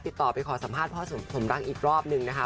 ติดต่อไปขอสัมภาษณ์พ่อสมรักอีกรอบนึงนะคะ